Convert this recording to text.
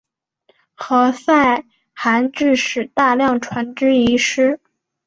何塞还致使大量船只遗失。